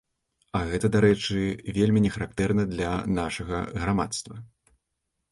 А гэта, дарэчы, вельмі не характэрна для нашага грамадства.